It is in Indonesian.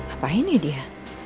apa ini dia